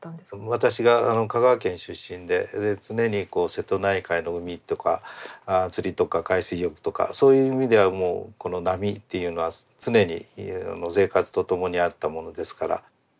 私が香川県出身でで常に瀬戸内海の海とか釣りとか海水浴とかそういう意味ではもうこの波というのは常に生活とともにあったものですから。